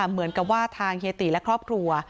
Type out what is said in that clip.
เหมือนกับว่าทางเฮียตีและครอบครัว